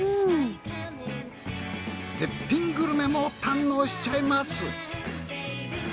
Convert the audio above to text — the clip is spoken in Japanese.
絶品グルメも堪能しちゃいます。